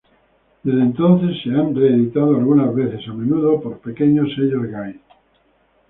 Desde entonces se han re-editado algunas veces, a menudo por pequeños sellos gays.